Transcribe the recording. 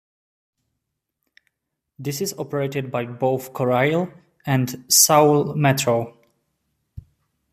This is operated by both Korail and Seoul Metro.